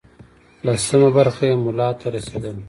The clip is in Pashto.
لسمه برخه یې ملا ته رسېدله.